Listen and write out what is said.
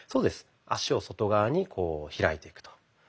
脚を外側にこう開いていくと。